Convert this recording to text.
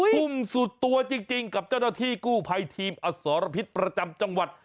ทุ่มสุดตัวจริงกับเจ้าหน้าที่กู้ภัยทีมอสรพิษประจำจังหวัด